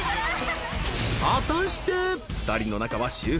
［果たして］